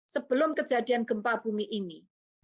sebelum kejadian gempa bumi ini